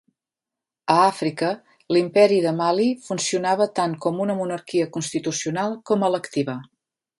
A Àfrica, l'Imperi de Mali funcionava tant com una monarquia constitucional com electiva.